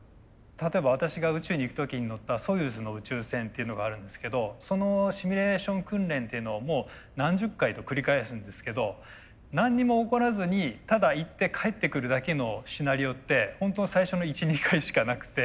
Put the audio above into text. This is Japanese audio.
例えば私が宇宙に行く時に乗ったソユーズの宇宙船っていうのがあるんですけどそのシミュレーション訓練っていうのをもう何十回と繰り返すんですけど何にも起こらずにただ行って帰ってくるだけのシナリオって本当最初の１２回しかなくて。